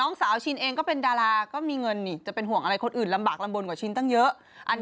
ร้องไห้เพราะไม่อยากเป็นอย่ามาอ้างดีกว่า